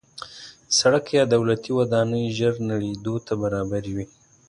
سړک یا دولتي ودانۍ ژر نړېدو ته برابره وي.